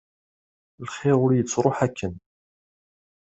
Lxir ur yettruḥ akken.